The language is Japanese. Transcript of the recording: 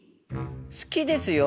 好きですよ。